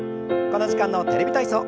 この時間の「テレビ体操」